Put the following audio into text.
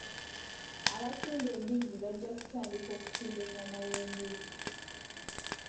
Abatunda embizzi bajja kutandika okutunda ennyama y'embuzi.